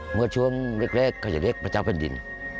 เมื่อช่วงเล็กเขาจะเรียกพระเจ้าแผ่นดิน